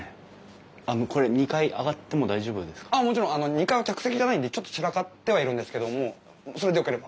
２階は客席じゃないんでちょっと散らかってはいるんですけどもそれでよければ。